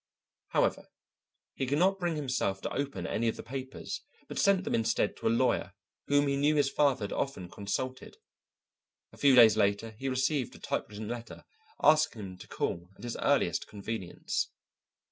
However, he could not bring himself to open any of the papers, but sent them instead to a lawyer, whom he knew his father had often consulted. A few days later he received a typewritten letter asking him to call at his earliest convenience.